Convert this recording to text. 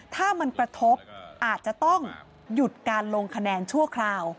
ถ้ามันกระทบอาจจะต้องหยุดการลงคะแนนชั่วคราว